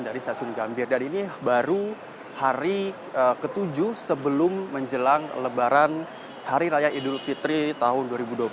dan ini baru hari ketujuh sebelum menjelang lebaran hari raya idul fitri tahun dua ribu dua puluh tiga